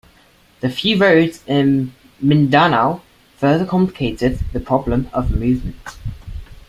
The few roads in Mindanao further complicated the problem of movement.